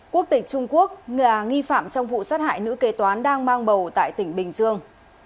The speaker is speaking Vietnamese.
quốc tịch trung quốc nga nghi phạm trong vụ sát hại nữ kế toán đang mang bầu tại tỉnh bình dương